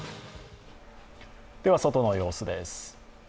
外の様子です。